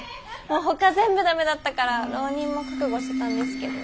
もうほか全部ダメだったから浪人も覚悟してたんですけど。